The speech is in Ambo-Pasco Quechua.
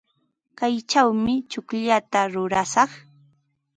Kaychawmi tsukllata rurashaq.